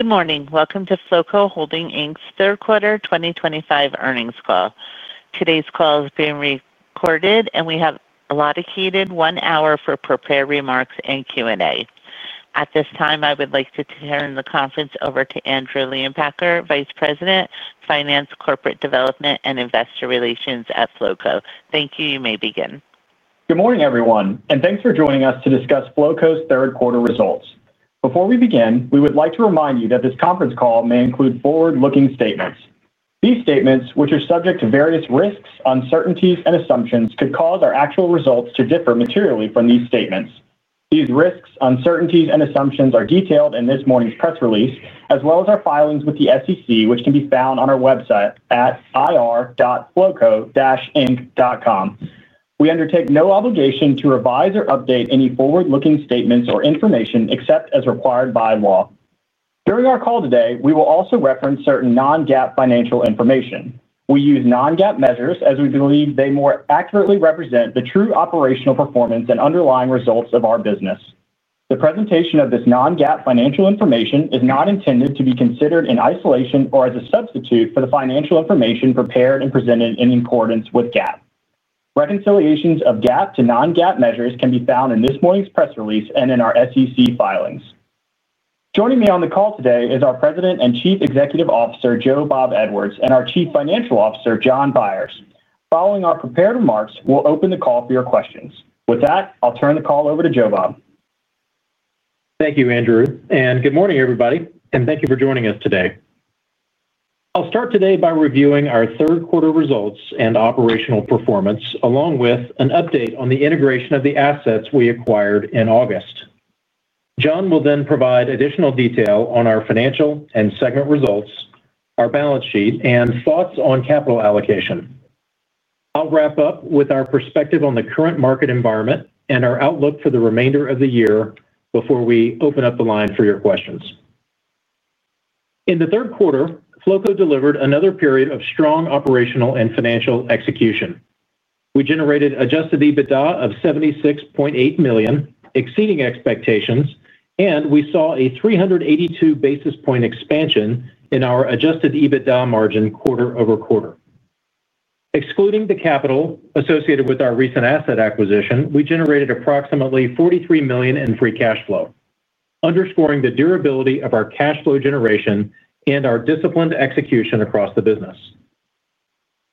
Good morning. Welcome to Flowco Holdings' third quarter 2025 earnings call. Today's call is being recorded and we have allotted a heated one hour for prepared remarks and Q and A. At this time I would like to turn the conference over to Andrew Leonpacher, Vice President of Finance, Corporate Development, and Investor Relations at Flowco. Thank you. You may begin. Good morning everyone and thanks for joining us to discuss Flowco's third quarter results. Before we begin, we would like to remind you that this conference call may include forward looking statements. These statements, which are subject to various risks, uncertainties and assumptions, could cause our actual results to differ materially from these statements. These risks, uncertainties and assumptions are detailed in this morning's press release as well as our filings with the SEC which can be found on our website at ir.flowco-inc.com. We undertake no obligation to revise or update any forward looking statements or information except as required by law. During our call today we will also reference certain non-GAAP financial information. We use non-GAAP measures as we believe they more accurately represent the true operational performance and underlying results of our business. The presentation of this non-GAAP financial information is not intended to be considered in isolation or as a substitute for the financial information prepared and presented in accordance with GAAP. Reconciliations of GAAP to non-GAAP measures can be found in this morning's press release and in our SEC filings. Joining me on the call today is our President and Chief Executive Officer Joe Bob Edwards and our Chief Financial Officer John Byers. Following our prepared remarks, we'll open the call for your questions. With that, I'll turn the call over to Joe Bob. Thank you Andrew, and good morning everybody, and thank you for joining us today. I'll start today by reviewing our third quarter results and operational performance along with an update on the integration of the assets we acquired in August. John will then provide additional detail on our financial and segment results, our balance sheet, and thoughts on capital allocation. I'll wrap up with our perspective on the current market environment and our outlook for the remainder of the year before we open up the line for your questions. In the third quarter, Flowco delivered another period of strong operational and financial execution. We generated Adjusted EBITDA of $76.8 million, exceeding expectations, and we saw a 382 basis point expansion in our Adjusted EBITDA margin quarter-over-quarter. Excluding the capital associated with our recent asset acquisition, we generated approximately $43 million in free cash flow, underscoring the durability of our cash flow generation and our disciplined execution across the business.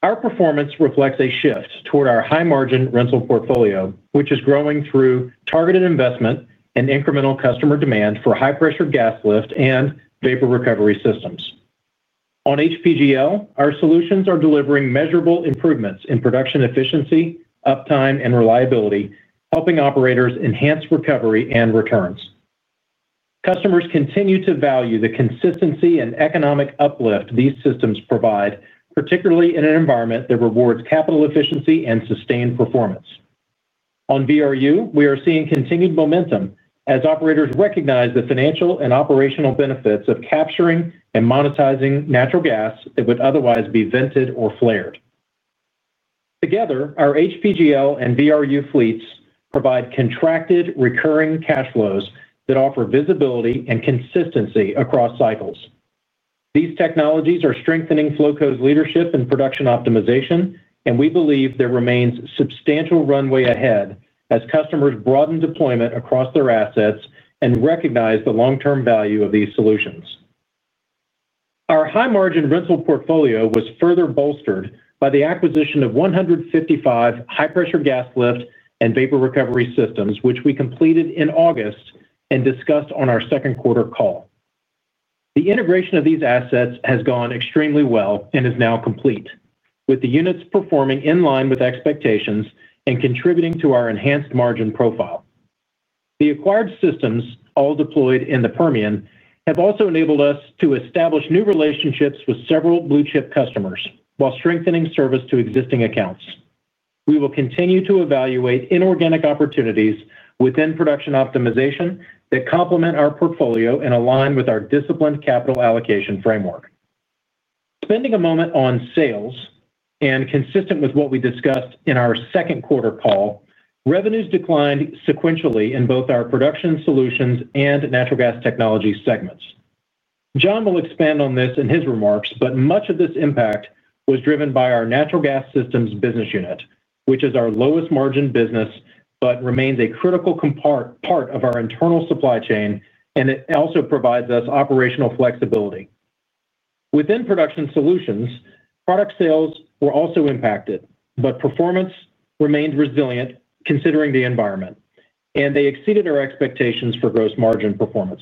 Our performance reflects a shift toward our high margin rental portfolio which is growing through targeted investment and incremental customer demand for high pressure gas lift and vapor recovery systems. On HPGL, our solutions are delivering measurable improvements in production efficiency, uptime, and reliability, helping operators enhance recovery and returns. Customers continue to value the consistency and economic uplift these systems provide, particularly in an environment that rewards capital efficiency and sustained performance. On VRU, we are seeing continued momentum as operators recognize the financial and operational benefits of capturing and monetizing natural gas that would otherwise be vented or flared. Together, our HPGL and VRU fleets provide contracted recurring cash flows that offer visibility and consistency across cycles. These technologies are strengthening Flowco's leadership in production optimization and we believe there remains substantial runway ahead as customers broaden deployment across their assets and recognize the long term value of these solutions. Our high margin rental portfolio was further bolstered by the acquisition of 155 high pressure gas lift and vapor recovery systems which we completed in August and discussed on our second quarter call. The integration of these assets has gone extremely well and is now complete with the units performing in line with expectations and contributing to our enhanced margin profile. The acquired systems, all deployed in the Permian, have also enabled us to establish new relationships with several blue chip customers while strengthening service to existing accounts. We will continue to evaluate inorganic opportunities within production optimization that complement our portfolio and align with our disciplined capital allocation framework. Spending a moment on sales and consistent with what we discussed in our second quarter call, revenues declined sequentially in both our production solutions and natural gas technology segments. John will expand on this in his remarks, but much of this impact was driven by our natural gas systems business unit which is our lowest margin business but remains a critical part of our internal supply chain and it also provides us operational flexibility within production solutions. Product sales were also impacted but performance remained resilient considering the environment and they exceeded our expectations for gross margin performance.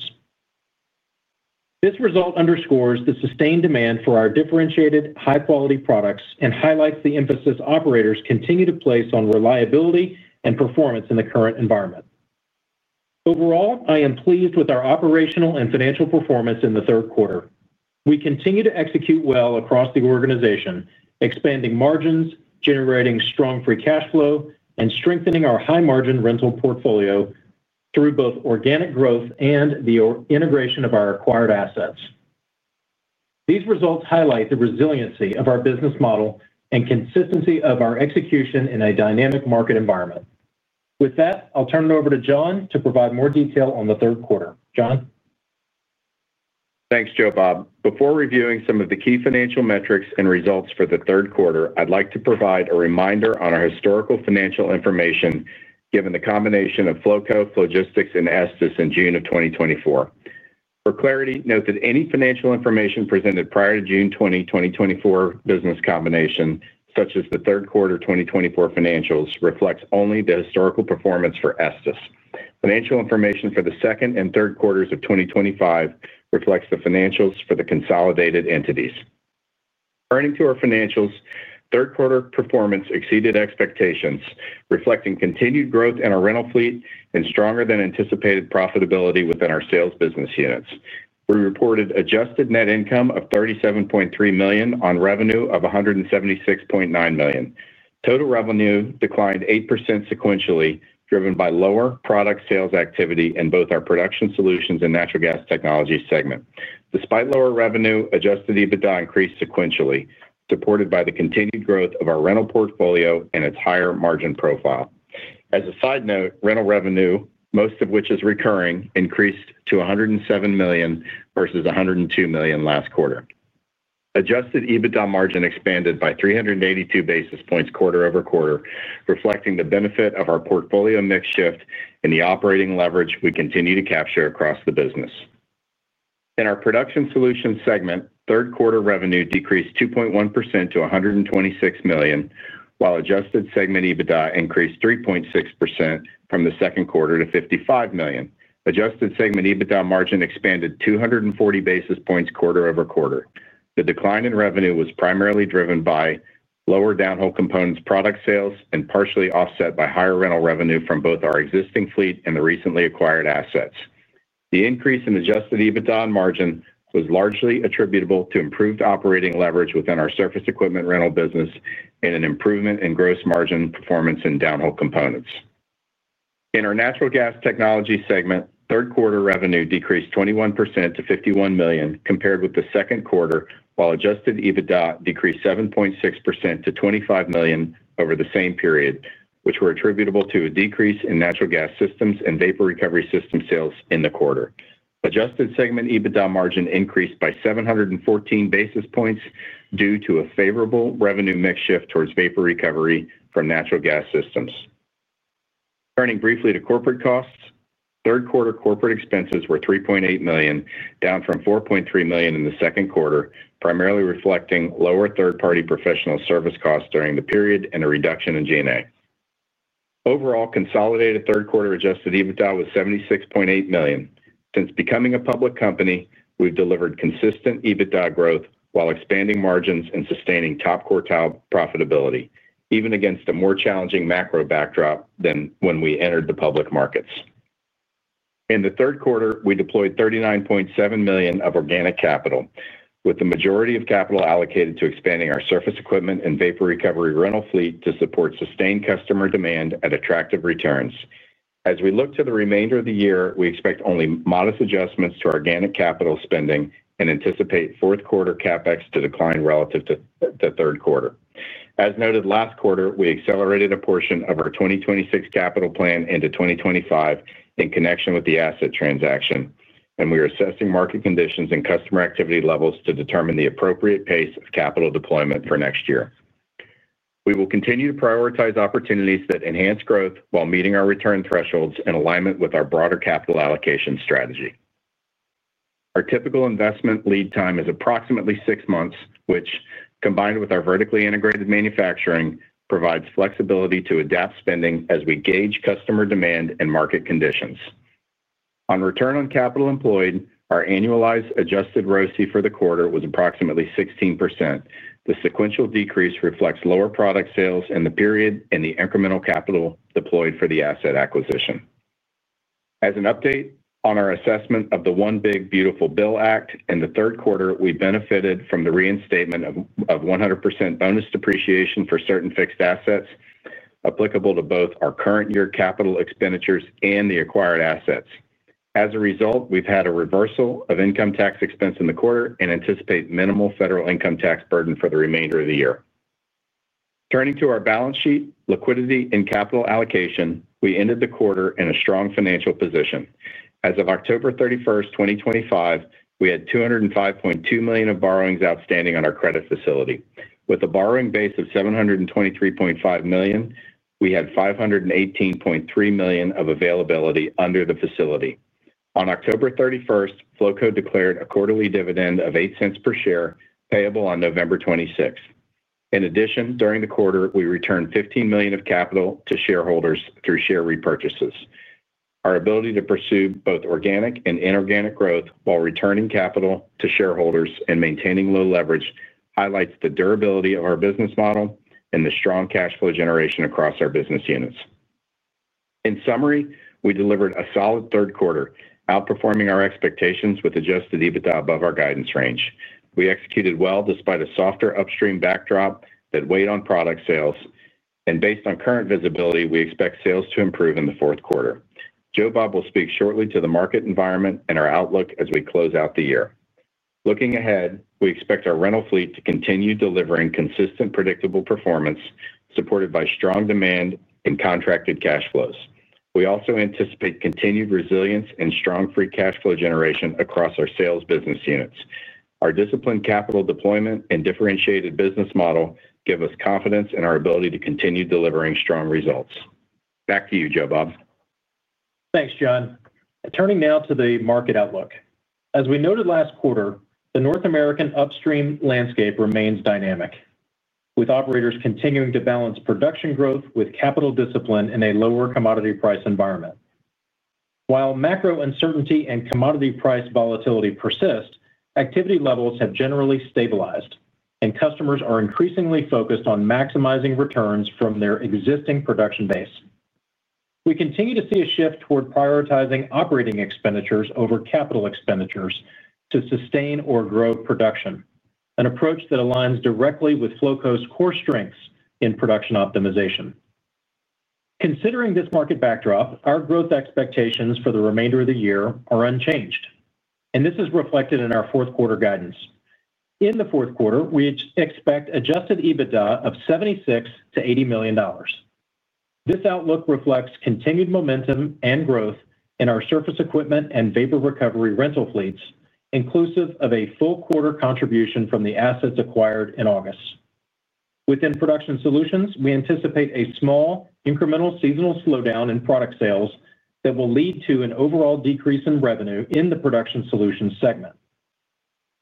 This result underscores the sustained demand for our differentiated, high quality products and highlights the emphasis operators continue to place on reliability and performance in the current environment. Overall, I am pleased with our operational and financial performance in the third quarter. We continue to execute well across the organization, expanding margins, generating strong free cash flow, and strengthening our high margin rental portfolio through both organic growth and the integration of our acquired assets. These results highlight the resiliency of our business model and consistency of our execution in a dynamic market environment. With that, I'll turn it over to John to provide more detail on the third quarter. John? Thanks Joe Bob. Before reviewing some of the key financial metrics and results for the third quarter, I'd like to provide a reminder on our historical financial information given the combination of Flowco, Flogistix and Estis in June of 2024. For clarity, note that any financial information presented prior to the June 20, 2024 business combination such as the third quarter 2024 financials reflects only the historical performance for Estes. Financial information for the second and third quarters of 2025 reflects the financials for the consolidated entities. Turning to our financials, third quarter performance exceeded expectations reflecting continued growth in our rental fleet and stronger than anticipated profitability within our sales business units. We reported adjusted net income of $37.3 million on revenue of $176.9 million. Total revenue declined 8% sequentially driven by lower product sales activity in both our Production Solutions and Natural Gas Technology segment. Despite lower revenue, Adjusted EBITDA increased sequentially supported by the continued growth of our rental portfolio and its higher margin profile. As a side note, rental revenue, most of which is recurring, increased to $107 million versus $102 million last quarter. Adjusted EBITDA margin expanded by 382 basis points quarter-over-quarter reflecting the benefit of our portfolio mix shift in the operating leverage we continue to capture across the business. In our production solutions segment, third quarter revenue decreased 2.1% to $126 million while adjusted segment EBITDA increased 3.6% from the second quarter to $55 million. Adjusted segment EBITDA margin expanded 240 basis points quarter-over-quarter. The decline in revenue was primarily driven by lower downhole components product sales and partially offset by higher rental revenue from both our existing fleet and the recently acquired assets. The increase in Adjusted EBITDA and margin was largely attributable to improved operating leverage within our surface equipment rental business and an improvement in gross margin performance in downhole components. In our natural gas technology segment, third quarter revenue decreased 21% to $51 million compared with the second quarter, while Adjusted EBITDA decreased 7.6% to $25 million over the same period, which were attributable to a decrease in natural gas systems and vapor recovery system sales in the quarter. Adjusted segment EBITDA margin increased by 714 basis points due to a favorable revenue mix shift towards vapor recovery from natural gas systems. Turning briefly to corporate costs, third quarter corporate expenses were $3.8 million, down from $4.3 million in the second quarter, primarily reflecting lower third party professional service costs during the period and a reduction in G&A. Overall, consolidated third quarter Adjusted EBITDA was $76.8 million. Since becoming a public company, we've delivered consistent EBITDA growth while expanding margins and sustaining top quartile profitability even against a more challenging macro backdrop than when we entered the public markets. In the third quarter, we deployed $39.7 million of organic capital, with the majority of capital allocated to expanding our surface equipment and vapor recovery rental fleet to support sustained customer demand at attractive returns. As we look to the remainder of the year, we expect only modest adjustments to organic capital spending and anticipate fourth quarter CapEx to decline relative to the third quarter. As noted last quarter, we accelerated a portion of our 2026 capital plan into 2025 in connection with the asset transaction and we are assessing market conditions and customer activity levels to determine the appropriate pace of capital deployment for next year. We will continue to prioritize opportunities that enhance growth while meeting our return thresholds in alignment with our broader capital allocation strategy. Our typical investment lead time is approximately six months, which combined with our vertically integrated manufacturing, provides flexibility to adapt spending as we gauge customer demand and market conditions on return on capital employed. Our Annualized Adjusted ROCE for the quarter was approximately 16%. The sequential decrease reflects lower product sales in the period and the incremental capital deployed for the asset acquisition. As an update on our assessment of the One Big Beautiful Bill act in the third quarter, we benefited from the reinstatement of 100% bonus depreciation for certain fixed assets applicable to both our current year capital expenditures and the acquired assets. As a result, we've had a reversal of income tax expense in the quarter and anticipate minimal federal income tax burden for the remainder of the year. Turning to our balance sheet liquidity and capital allocation, we ended the quarter in a strong financial position. As of October 31, 2025, we had $205.2 million of borrowings outstanding on our credit facility with a borrowing base of $723.5 million. We had $518.3 million of availability under the facility. On October 31st, Flowco declared a quarterly dividend of $0.08 per share payable on November 26. In addition, during the quarter we returned $15 million of capital to shareholders through share repurchases. Our ability to pursue both organic and inorganic growth while returning capital to shareholders and maintaining low leverage highlights the durability of our business model and the strong cash flow generation across our business units. In summary, we delivered a solid third quarter outperforming our expectations with Adjusted EBITDA above our guidance range. We executed well despite a softer upstream backdrop that weighed on product sales and based on current visibility, we expect sales to improve in the fourth quarter. Joe Bob will speak shortly to the market environment and our outlook as we close out the year. Looking ahead, we expect our rental fleet to continue delivering consistent predictable performance supported by strong demand and contracted cash flows. We also anticipate continued resilience and strong free cash flow generation across our sales business units. Our disciplined capital deployment and differentiated business model give us confidence in our ability to continue delivering strong results. Back to you, Joe Bob. Thanks John. Turning now to the market outlook, as we noted last quarter, the North American upstream landscape remains dynamic with operators continuing to balance production growth with capital discipline in a lower commodity price environment. While macro uncertainty and commodity price volatility persist, activity levels have generally stabilized and customers are increasingly focused on maximizing returns from their existing production base. We continue to see a shift toward prioritizing operating expenditures over capital expenditures to sustain or grow production, an approach that aligns directly with Flowco's core strengths in production optimization. Considering this market backdrop, our growth expectations for the remainder of the year are unchanged and this is reflected in our fourth quarter guidance. In the fourth quarter we expect Adjusted EBITDA of $76 million-$80 million. This outlook reflects continued momentum and growth in our surface equipment and vapor recovery rental fleets, inclusive of a full quarter contribution from the assets acquired in August. Within Production Solutions, we anticipate a small incremental seasonal slowdown in product sales that will lead to an overall decrease in revenue in the Production Solutions segment.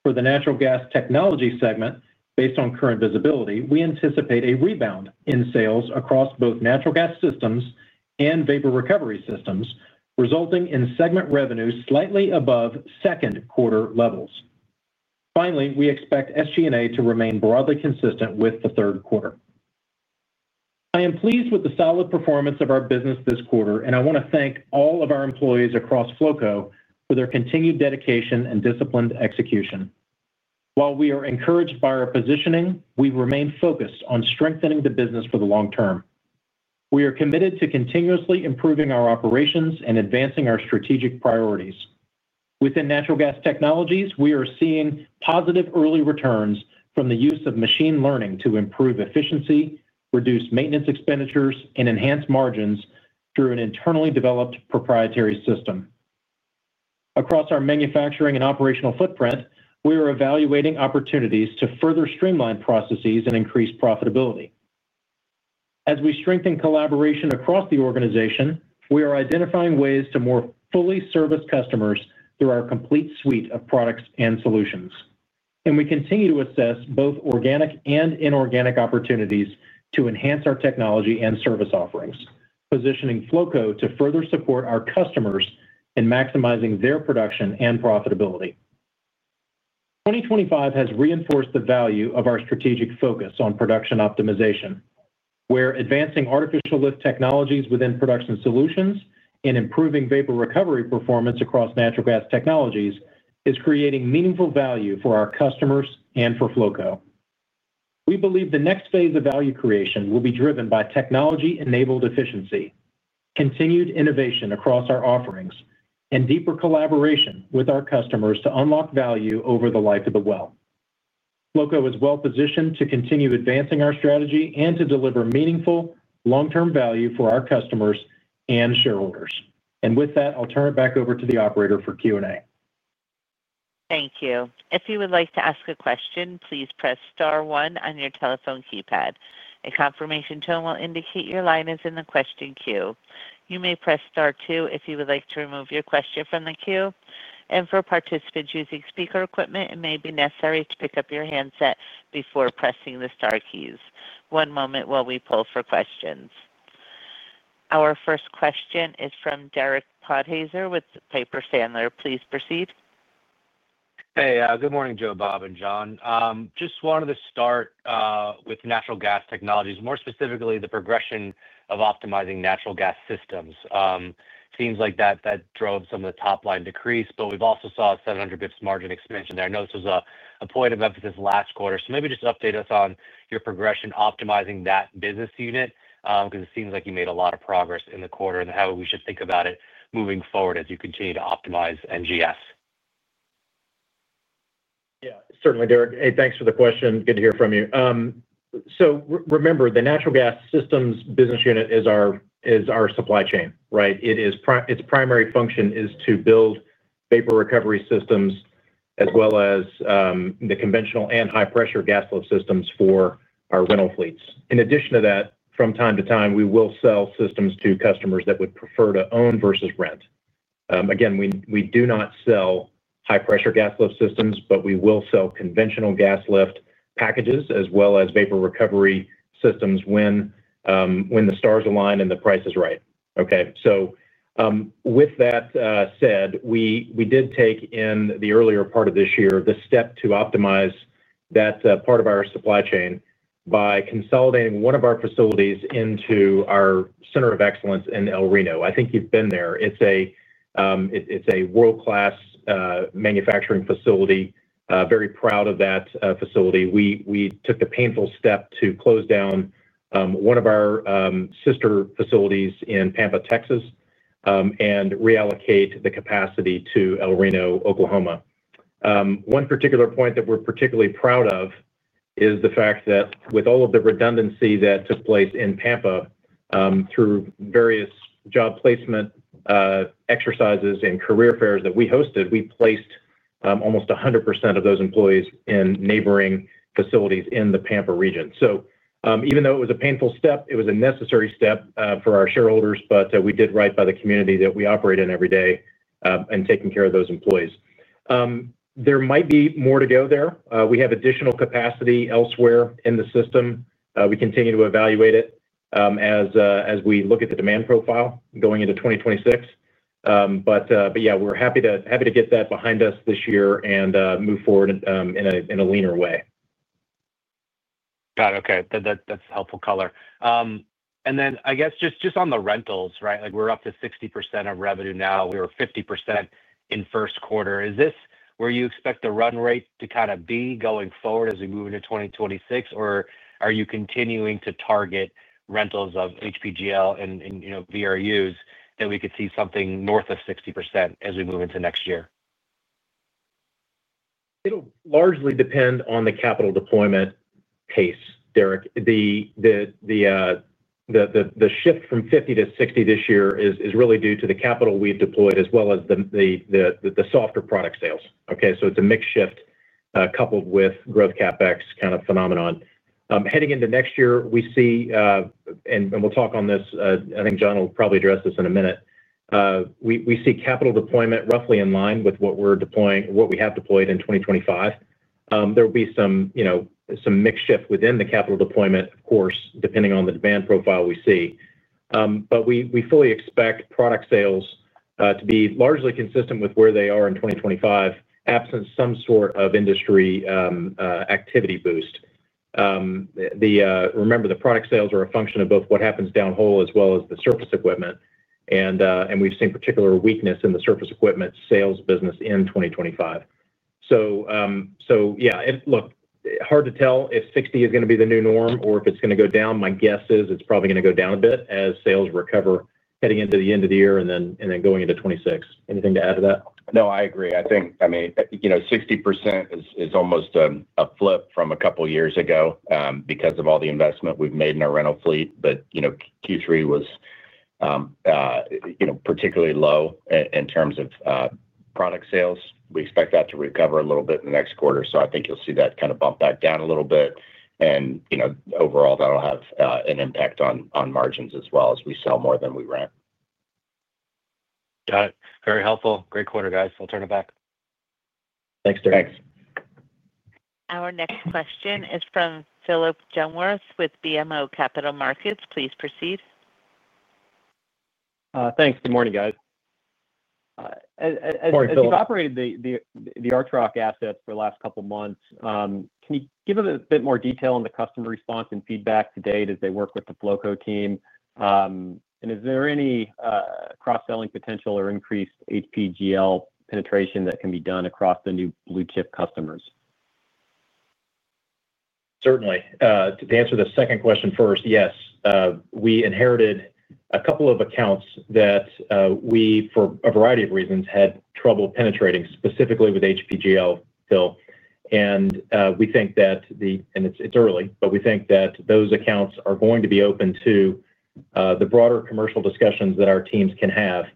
For the natural gas technology segment, based on current visibility, we anticipate a rebound in sales across both natural gas systems and vapor recovery systems resulting in segment revenue slightly above second quarter levels. Finally, we expect SG&A to remain broadly consistent with the third quarter. I am pleased with the solid performance of our business this quarter and I want to thank all of our employees across Flowco for their continued dedication and disciplined execution. While we are encouraged by our positioning, we remain focused on strengthening the business for the long term. We are committed to continuously improving our operations and advancing our strategic priorities within natural gas technologies. We are seeing positive early returns from the use of machine learning to improve efficiency, reduce maintenance expenditures and enhance margins through an internally developed proprietary system. Across our manufacturing and operational footprint, we are evaluating opportunities to further streamline processes and increase profitability as we strengthen collaboration across the organization. We are identifying ways to more fully service customers through our complete suite of products and solutions and we continue to assess both organic and inorganic opportunities to enhance our technology and service offerings. Positioning Flowco to further support our customers in maximizing their production and profitability in 2025 has reinforced the value of our strategic focus on production optimization where advancing artificial lift technologies within production solutions and improving vapor recovery performance across natural gas technologies is creating meaningful value for our customers and for Flowco. We believe the next phase of value creation will be driven by technology-enabled efficiency, continued innovation across our offerings, and deeper collaboration with our customers to unlock value over the life of the well. Flowco is well positioned to continue advancing our strategy and to deliver meaningful long term value for our customers and shareholders. With that, I'll turn it back over to the operator for Q and A. Thank you. If you would like to ask a question, please press Star one on your telephone keypad. A confirmation tone will indicate your line is in the question queue. You may press Star two if you would like to remove your question from the queue. For participants using speaker equipment, it may be necessary to pick up your handset before pressing the star keys. One moment while we poll for questions. Our first question is from Derek Podhaizer with Piper Sandler. Please proceed. Hey, good morning Joe Bob and John. Just wanted to start with natural gas technologies. More specifically, the progression of optimizing natural gas systems seems like that drove some of the top line decrease, but we've also saw a 700 basis points margin expansion there. I know this was a point of emphasis last quarter, so maybe just update us on your progression optimizing that business unit because it seems like you made a lot of progress in the quarter and how we should think about it moving forward as you continue to optimize NGS. Yeah, certainly Derek. Hey, thanks for the question. Good to hear from you. Remember, the Natural Gas Systems business unit is our supply chain, right? It is. Its primary function is to build vapor recovery systems as well as the conventional and high pressure gas flow systems for our rental fleets. In addition to that, from time to time we will sell systems to customers that would prefer to own versus rent. Again, we do not sell high pressure gas lift systems, but we will sell conventional gas lift packages as well as vapor recovery systems when the stars align and the price is right. Okay, with that said we did take in the earlier part of this year the step to optimize that part of our supply chain by consolidating one of our facilities into our center of excellence in El Reno. I think you've been there. It's a world-class manufacturing facility. Very proud of that facility. We took the painful step to close down one of our sister facilities in Pampa, Texas and reallocate the capacity to El Reno, Oklahoma. One particular point that we're particularly proud of is the fact that with all of the redundancy that took place in Pampa through various job placement exercises and career fairs that we hosted, we placed almost 100% of those employees in neighboring facilities in the Pampa region. Even though it was a painful step, it was a necessary step for our shareholders, but we did right by the community that we operate in every day and taking care of those employees. There might be more to go there. We have additional capacity elsewhere in the system. We continue to evaluate it as we look at the demand profile going into 2026. Yeah, we're happy to get that behind us this year and move forward in a leaner way. Got it. Okay, that's helpful. Color and then I guess just on the rentals, right. Like we're up to 60% of revenue now. We were 50% in first quarter. Is this where you expect the run rate to kind of be going forward as we move into 2026 or are you continuing to target rentals of HPGL and, you know, VRUs that we could see something north of 60% as we move into next year? It'll largely depend on the capital deployment pace, Derek. The shift from 50%-60% this year is, is really due to the capital we've deployed as well as the softer product sales. Okay, so it's a mix shift coupled with growth CapEx kind of phenomenon heading into next year. We see and we'll talk on this. I think John will probably address this in a minute. We see capital deployment roughly in line with what we're deploying, what we have deployed in 2025. There will be some mix shift within the capital deployment of course, depending on the demand profile we see. But we fully expect product sales to be largely consistent with where they are in 2025 absent some sort of industry activity boost. Remember, the product sales are a function of both what happens downhole as well as the surface equipment and we've seen particular weakness in the surface equipment sales business in 2025. Yeah, look, hard to tell if 60% is going to be the new norm or if it's going to go down. My guess is it's probably going to go down a bit as sales recover heading into the end of the year and then, and then going into 2026. Anything to add to that? No, I agree. I think, I mean, you know, 60% is almost a flip from a couple of years ago because of all the investment we've made in our rental fleet. But, you know, Q3 was, you know, particularly low in terms of product sales. We expect that to recover a little bit in the next quarter. I think you'll see that kind of bump back down a little bit and, you know, overall that'll have an impact on margins as well as we sell more than we rent. Got it. Very helpful. Great quarter, guys. I'll turn it back. Thanks, Derek. Thanks. Our next question is from Phillip Jungwirth with BMO Capital Markets. Please proceed. Thanks. Good morning guys. You've operated the Archrock assets for the last couple months. Can you give us a bit more detail on the customer response and feedback to date as they work with the Flowco team? Is there any cross selling potential or increased HPGL penetration that can be done across the new blue chip customers? Certainly. To answer the second question first, yes, we inherited a couple of accounts that we for a variety of reasons had trouble penetrating specifically with HPGL, Phil. We think that the, and it's early, but we think that those accounts are going to be open to the broader commercial discussions that our teams can have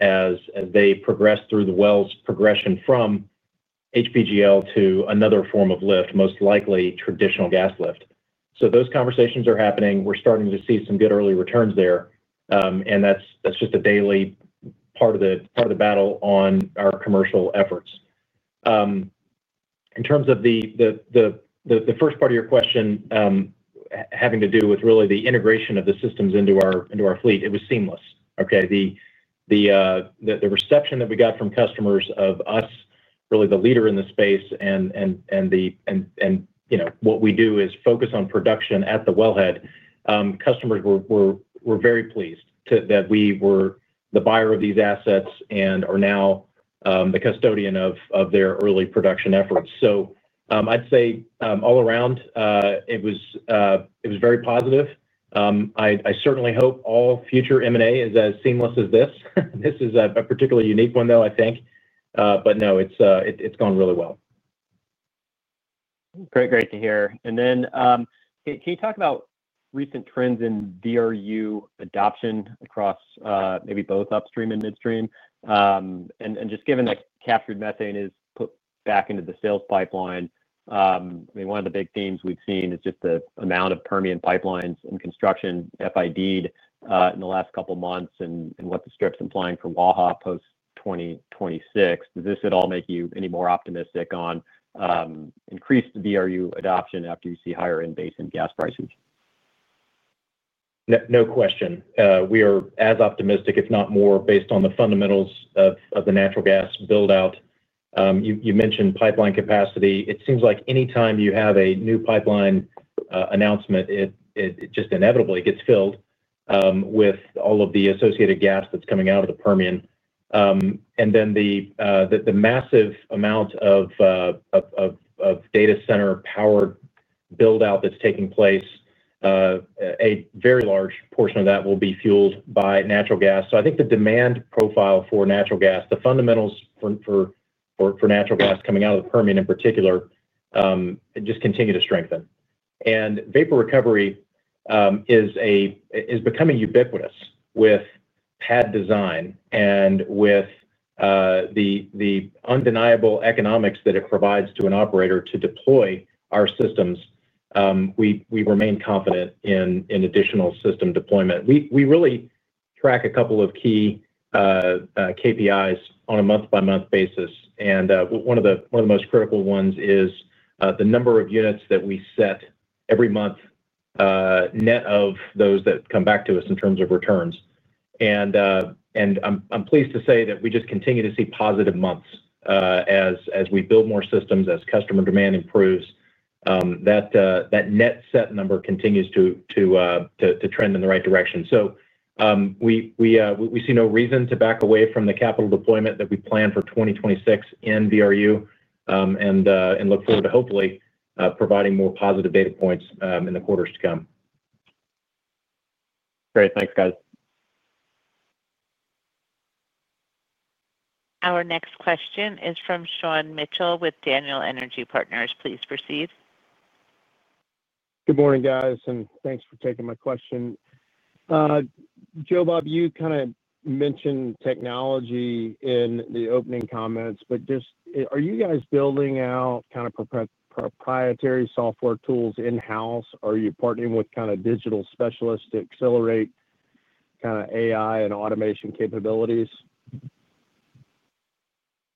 as they progress through the wells progression from HPGL to another form of lift, most likely traditional gas lift. Those conversations are happening. We're starting to see some good early returns there and that's just a daily part of the battle on our commercial efforts. In terms of the first part of your question having to do with really the integration of the systems into our fleet, it was seamless. Okay. The reception that we got from customers of us really the leader in the space and you know, what we do is focus on production at the wellhead. Customers were very pleased that we were the buyer of these assets and are now the custodian of their early production efforts. I'd say all around it was very positive. I certainly hope all future M&A is as seamless as this. This is a particularly unique one though, I think. No, it's gone really well. Great, great to hear. Can you talk about recent trends in VRU adoption across maybe both upstream and midstream? Just given that captured methane is put back into the sales pipeline, one of the big themes we have seen is just the amount of Permian pipelines and construction FID in the last couple months and what the strips implying for WAHA post 2026. Does this at all make you any more optimistic on increased VRU adoption after you see higher in basin gas prices? No question. We are as optimistic, if not more, based on the fundamentals of the natural gas build out. You mentioned pipeline capacity. It seems like anytime you have a new pipeline announcement, it just inevitably gets filled with all of the associated gas that's coming out of the Permian. The massive amount of data center power build out that's taking place, a very large portion of that will be fueled by natural gas. I think the demand profile for natural gas, the fundamentals for natural gas coming out of the Permian in particular just continue to strengthen. Vapor recovery is becoming ubiquitous. With pad design and with the undeniable economics that it provides to an operator to deploy our systems, we remain confident in additional system deployment. We really track a couple of key KPIs on a month by month basis. One of the most critical ones is the number of units that we set every month net of those that come back to us in terms of returns. I'm pleased to say that we just continue to see positive months as we build more systems. As customer demand improves, that net set number continues to trend in the right direction. We see no reason to back away from the capital deployment that we planned for 2026 in VRU and look forward to hopefully providing more positive data points in the quarters to come. Great. Thanks guys. Our next question is from Sean Mitchell with Daniel Energy Partners. Please proceed. Good morning guys, and thanks for taking my question, Joe Bob, you kind of mentioned technology in the opening comments, but just are you guys building out kind of proprietary software tools in house? Are you partnering with kind of digital specialists to accelerate kind of AI and automation capabilities?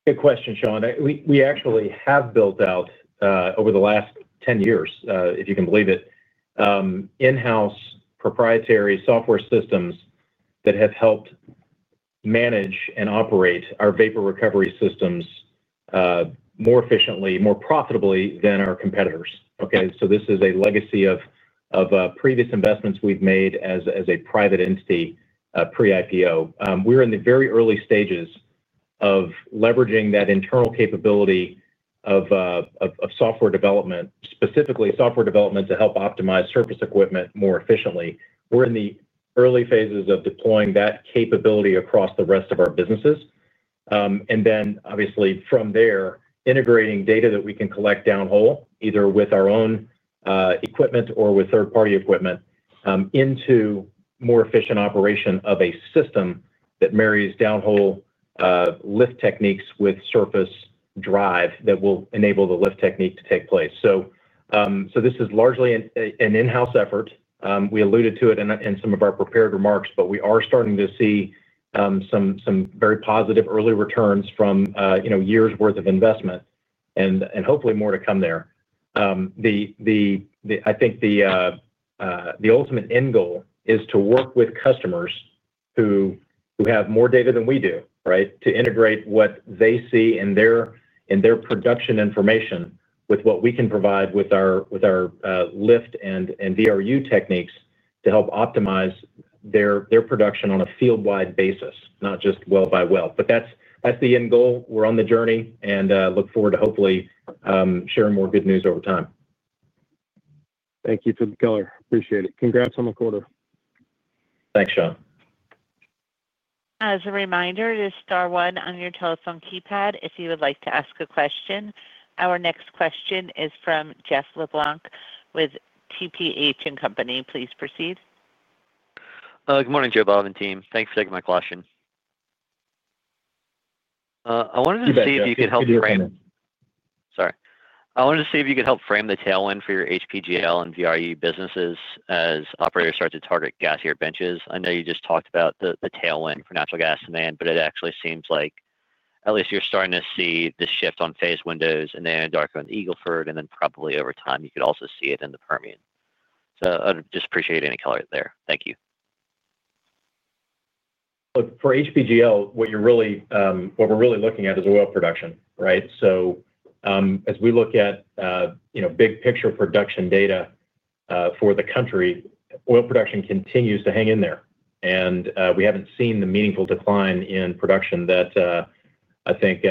Good question, Sean. We actually have built out over the last 10 years, if you can believe it, in-house, proprietary software systems that have helped manage and operate our vapor recovery systems more efficiently, more profitably than our competitors. Okay, so this is a legacy of previous investments we have made as a private entity pre-IPO. We are in the very early stages of leveraging that internal capability of software development, specifically software development to help optimize surface equipment more efficiently. We're in the early phases of deploying that capability across the rest of our businesses and then obviously from there integrating data that we can collect downhole, either with our own equipment or with third party equipment into more efficient operation of a system that marries downhole lift techniques with surface drive that will enable the lift technique to take place. This is largely an in house effort. We alluded to it in some of our prepared remarks. We are starting to see some very positive early returns from years worth of investment and hopefully more to come there. I think the ultimate end goal is to work with customers who have more data than we do, right. To integrate what they see in their production information with what we can provide with our LIFT and VRU techniques to help optimize their production on a fieldwide basis. Not just well by well but that's the end goal. We're on the journey and look forward to hopefully sharing more good news over time. Thank you for the color. Appreciate it. Congrats on the quarter. Thanks Sean. As a reminder, it is Star one on your telephone keypad if you would like to ask a question. Our next question is from Jeff LeBlanc with TPH & Co. Please proceed. Good morning Joe Bob and team. Thanks for taking my question. I wanted to see if you could help frame, sorry, I wanted to see if you could help frame the tailwind for your HPGL and VRU businesses as operators start to target gassier benches. I know you just talked about the tailwind for natural gas demand, but it actually seems like at least you're starting to see the shift on phase windows in Anadarko and Eagle Ford and then probably over time you could also see it in the Permian. I just appreciate any color there. Thank you. Look, for HPGL, what you're really, what we're really looking at is oil production, right? As we look at, you know, big picture production data for the country, oil production continues to hang in there and we haven't seen the meaningful decline in production that I think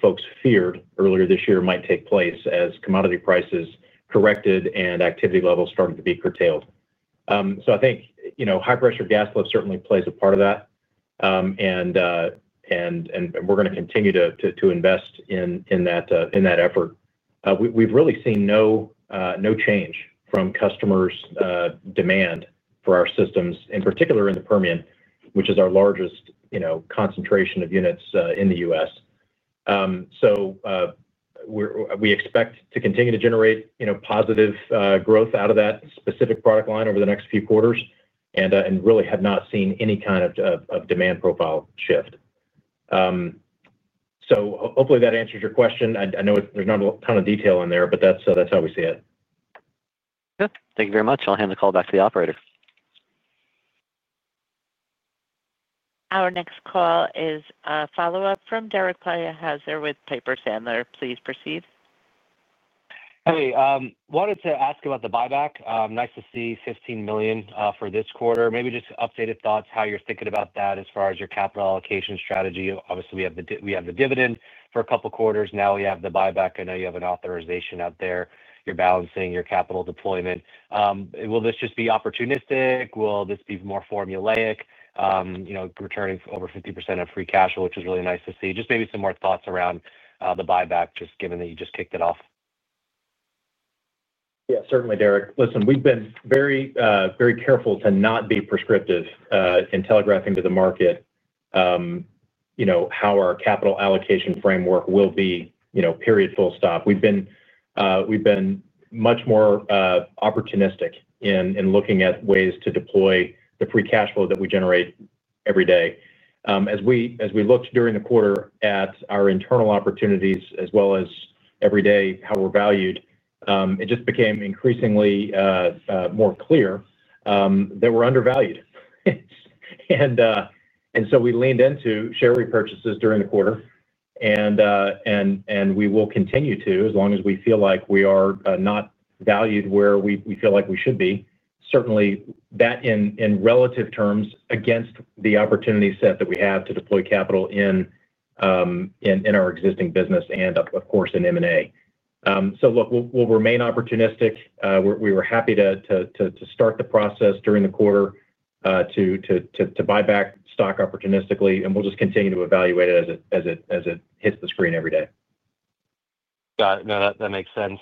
folks feared earlier this year might take place as commodity prices corrected and activity levels started to be curtailed. I think high-pressure gas lift certainly plays a part of that. And we're going to continue to invest in that effort. We've really seen no change from customers' demand for our systems, in particular in the Permian, which is our largest concentration of units in the U.S. We expect to continue to generate positive growth out of that specific product line over the next few quarters and really have not seen any kind of demand profile shift. Hopefully that answers your question. I know there's not a ton of detail in there, but that's how we see it. Thank you very much. I'll hand the call back to the operator. Our next call is a follow up from Derek Podhaizer with Piper Sandler. Please proceed. Hey, wanted to ask about the buyback. Nice to see $15 million for this quarter, maybe. Just updated thoughts how you're thinking about that as far as your capital allocation strategy. Obviously we have the dividend for a couple quarters now you have the buyback. I know you have an authorization out there. You're balancing your capital deployment. Will this just be opportunistic? Will this be more formulaic, you know, returning over 50% of free cash, which is really nice to see. Just maybe some more thoughts around the buyback just given that you just kicked it off. Yeah, certainly, Derek. Listen, we've been very, very careful to not be prescriptive in telegraphing to the market. You know, how our capital allocation framework will be, you know, period. We've been much more opportunistic in looking at ways to deploy the free cash flow that we generate every day. As we looked during the quarter at our internal opportunities as well as every day, how we're valued, it just became increasingly more clear that we were undervalued. We leaned into share repurchases during the quarter and we will continue to, as long as we feel like we are not valued where we feel like we should be, certainly that in relative terms against the opportunity set that we have to deploy capital in our existing business and of course in M&A. Look, we will remain opportunistic. We were happy to start the process during the quarter to buy back stock opportunistically and we will just continue to evaluate it as it hits the screen every day. Got it. No, that makes sense.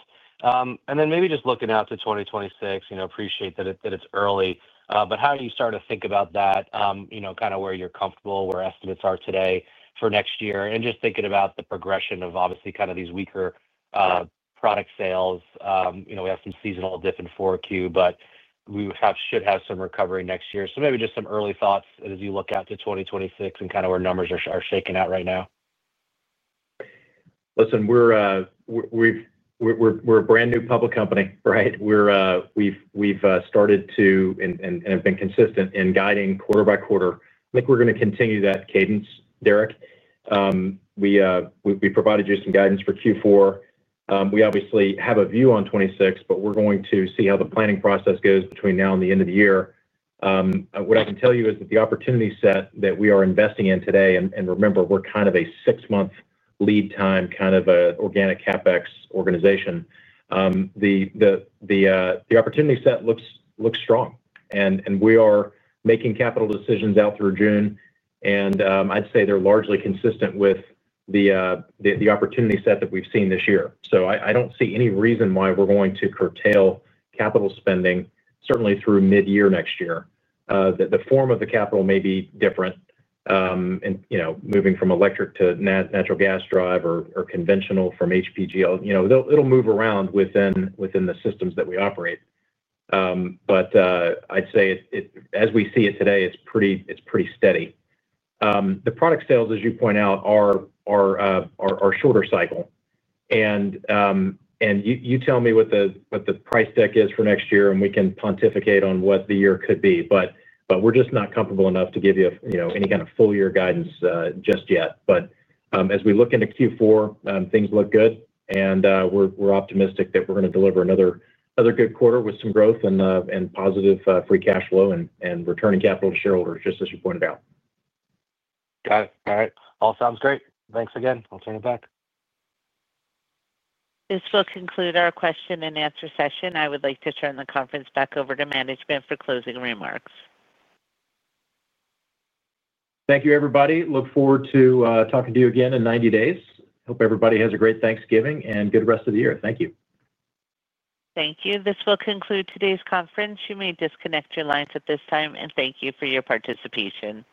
Maybe just looking out to 2026, you know, appreciate that it's early, but how do you start to think about that, you know, kind of where you're comfortable, where estimates are today for next year and just thinking about the progression of obviously kind of these weaker product sales. You know, we have some seasonal diff in Q4 but we should have some recovery next year. Maybe just some early thoughts as you look out to 2026 and kind of where numbers are shaking out right now. Listen, we're a brand new public company, right? We've started to be consistent in guiding quarter by quarter. I think we're going to continue that cadence. Derek, we provided you some guidance for Q4. We obviously have a view on 2026, but we're going to see how the planning process goes between now and then.end of the year. What I can tell you is that the opportunity set that we are investing in today, and remember, we're kind of a six month lead time kind of organic CapEx organization. The opportunity set looks strong, and we are making capital decisions out through June, and I'd say they're largely consistent with the opportunity set that we've seen this year. I don't see any reason why we're going to curtail capital spending certainly through mid year next year. The form of the capital may be different, moving from electric to natural gas drive or conventional from HPGL. You know, it'll move around within the systems that we operate. I'd say as we see it today, it's pretty steady. The product sales as you point out, are shorter cycle and you tell me what the price deck is for next year and we can pontificate on what the year could be, but we're just not comfortable enough to give you any kind of full year guidance just yet. As we look into Q4, things look good and we're optimistic that we're going to deliver another good quarter with some growth and positive free cash flow and returning capital to shareholders, just as you pointed out. Got it. All right, all sounds great. Thanks again. I'll turn it back. This will conclude our question and answer session. I would like to turn the conference back over to management for closing remarks. Thank you everybody. Look forward to talking to you again in 90 days. Hope everybody has a great Thanksgiving. Good rest of the year. Thank you. Thank you. This will conclude today's conference. You may disconnect your lines at this time and thank you for your participation.